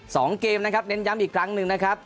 สองเกมนะครับเน้นย้ำอีกครั้งหนึ่งนะครับ